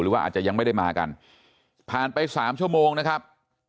ว่าอาจจะยังไม่ได้มากันผ่านไป๓ชั่วโมงนะครับ